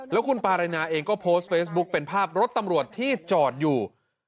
แล้วคุณปารินาเองก็โพสต์เฟซบุ๊คเป็นภาพรถตำรวจที่จอดอยู่